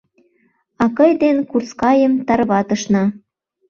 Акый ден курскайым тарватышна.